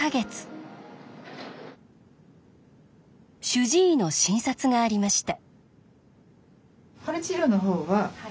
主治医の診察がありました。